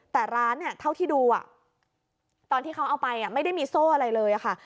แต่ร้านเนี่ยเท่าที่ดูตอนที่เขาเอาไปไม่ได้มีโซ่อะไรเลยค่ะ